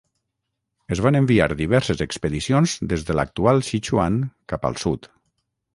Es van enviar diverses expedicions des de l'actual Sichuan cap al sud.